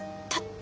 た